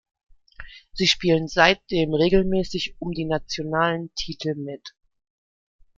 Sie spielen seitdem regelmäßig um die nationalen Titel mit.